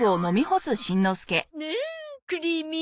うんクリーミー。